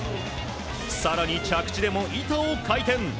更に着地でも板を回転。